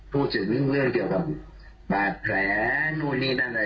พูดถึงเรื่องเกี่ยวกับบาดแผลตัวน้อง